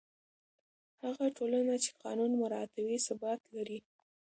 هغه ټولنه چې قانون مراعتوي، ثبات لري.